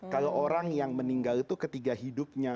kalau orang yang meninggal itu ketiga hidupnya